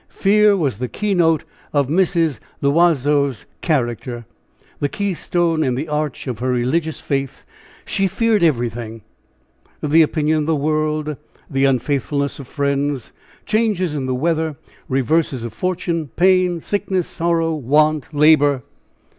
Fear was the key note of Mrs. L'Oiseau's character the key stone in the arch of her religious faith she feared everything the opinion of the world, the unfaithfulness of friends, changes in the weather, reverses of fortune, pain, sickness, sorrow, want, labor!